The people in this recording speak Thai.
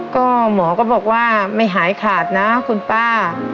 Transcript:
ก็หมอก็บอกว่าไม่หายขาดนะคุณป้า